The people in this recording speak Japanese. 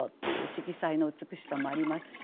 色彩の美しさもありますし。